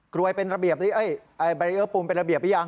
รวยเป็นระเบียบบารีเออร์ปูนเป็นระเบียบหรือยัง